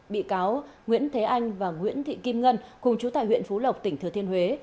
bị cáo nguyễn thế anh và nguyễn thị kim ngân cùng chú tại huyện phú lộc tỉnh thừa thiên huế